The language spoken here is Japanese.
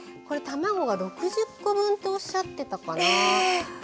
これ卵が６０個分っておっしゃってたかな。